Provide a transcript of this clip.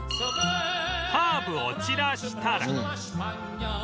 ハーブを散らしたら